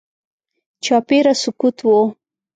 چاپېره سکوت و.